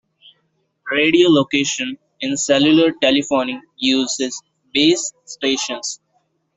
Radiolocation in cellular telephony uses base stations.